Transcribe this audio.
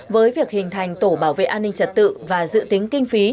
với việc hình thành tổ bảo vệ an ninh trật tự và dự tính kinh phí